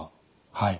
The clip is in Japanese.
はい。